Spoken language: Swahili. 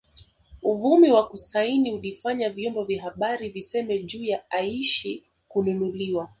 Uvumi wa kusaini ulifanya vyombo vya habari viseme juu ya Aishi kununuliwa